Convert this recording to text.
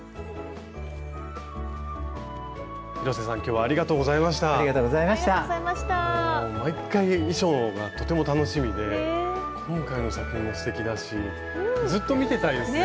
もう毎回衣装がとても楽しみで今回の作品もすてきだしずって見てたいですね。